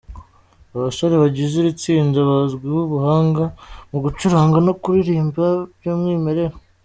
Abasore bagize iri tsinda, bazwiho ubuhanga mu gucuranga no kuririmba by'umwimerere.